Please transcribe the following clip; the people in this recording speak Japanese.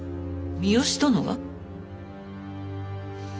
三好殿が？